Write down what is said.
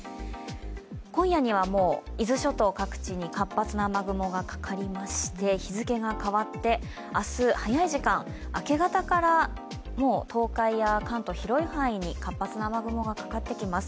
今夜には伊豆諸島各地に活発な雨雲がかかりまして日付が変わって明日、早い時間明け方からもう東海や関東、広い範囲に活発な雨雲がかかってきます。